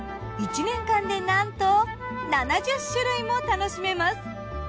１年間でなんと７０種類も楽しめます。